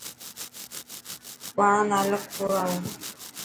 ٻاڙان نا الگ ڪوڙائو.